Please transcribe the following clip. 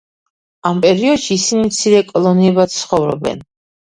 ამ პერიოდში ისინი მცირე კოლონიებად ცხოვრობენ.